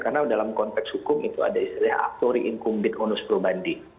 karena dalam konteks hukum itu ada istilah aktori inkumbit onus probandi